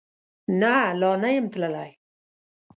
نه، لا نه یم تللی